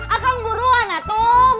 akang buruan atung